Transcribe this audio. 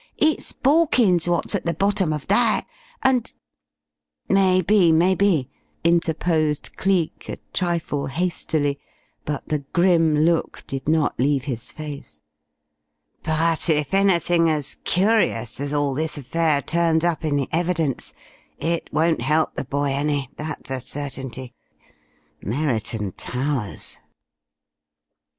It's Borkins wot's at the bottom of that, and " "Maybe, maybe," interposed Cleek, a trifle hastily, but the grim look did not leave his face. "But if anything as curious as all this affair turns up in the evidence it won't help the boy any, that is a certainty.... Merriton Towers!"